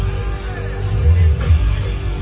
ยิ่งจริงถึงประฟัง